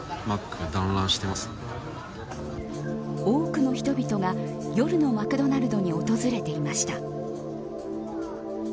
多くの人々が夜のマクドナルドに訪れていました。